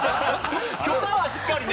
許可はしっかりね。